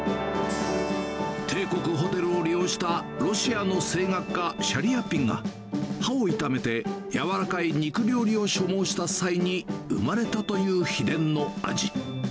帝国ホテルを利用したロシアの声楽家、シャリアピンが、歯を痛めて、柔らかい肉料理を所望した際に生まれたという秘伝の味。